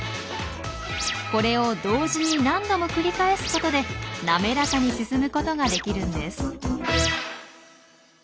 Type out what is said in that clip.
これを同時に何度も繰り返すことで滑らかに進むことができるんです。